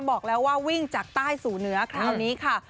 บอกแล้วว่าวิ่งจากใต้สู่เหนือคราวนี้ค่ะ